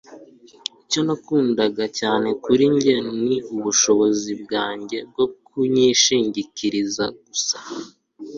icyo nakundaga cyane kuri njye ni ubushobozi bwanjye bwo kunyishingikiriza gusa